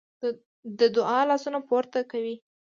د دعا لاسونه پورته کوي.